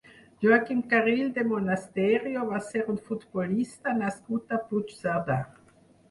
Joaquim Carril de Monasterio va ser un futbolista nascut a Puigcerdà.